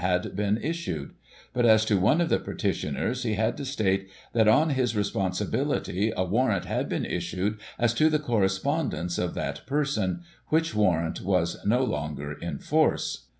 [1844 had been issued ; but, as to one of the petitioners, he had to state, that, on his responsibility, a warrant had been issued as to the correspondence of that person, which warrant was no longer in force."